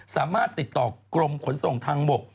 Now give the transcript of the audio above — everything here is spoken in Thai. สามารถติดต่อกรมขนส่งทางบก